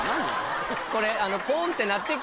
これ。